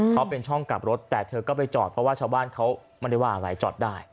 เขาเป็นช่องกลับรถแต่เธอก็ไปจอดเพราะว่าชาวบ้านเขาไม่ได้ว่าอะไรจอดได้